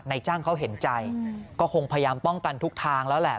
จ้างเขาเห็นใจก็คงพยายามป้องกันทุกทางแล้วแหละ